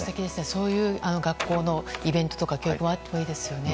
そういう学校のイベントとか教育があってもいいですね。